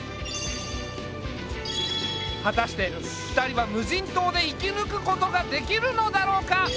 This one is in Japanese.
果たして２人は無人島で生き抜くことができるのだろうか？